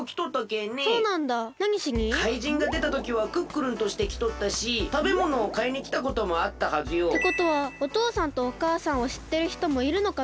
かいじんがでたときはクックルンとしてきとったしたべものをかいにきたこともあったはずよ。ってことはおとうさんとおかあさんをしってるひともいるのかな？